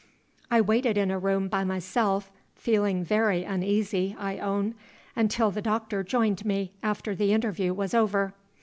"I waited in a room by myself (feeling very uneasy, I own) until the doctor joined me, after the interview was over.